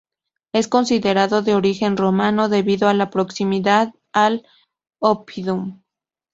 Es considerado de origen romano debido a la proximidad al Oppidum.